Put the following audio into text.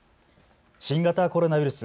新型コロナウイルス。